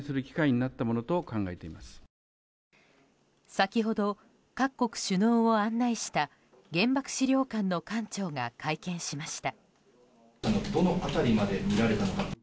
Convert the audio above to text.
先ほど各国首脳を案内した原爆資料館の館長が会見しました。